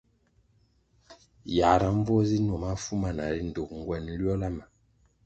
Yãhra mbvuo zi nuo mafu mana ri ndtug nguen nliola ma.